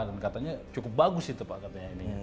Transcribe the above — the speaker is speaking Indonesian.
dan katanya cukup bagus itu pak katanya ini